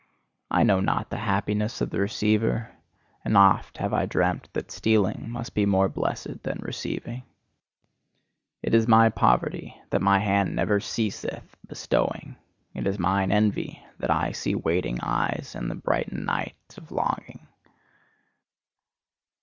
I know not the happiness of the receiver; and oft have I dreamt that stealing must be more blessed than receiving. It is my poverty that my hand never ceaseth bestowing; it is mine envy that I see waiting eyes and the brightened nights of longing.